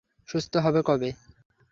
সুস্থ হবে কবে?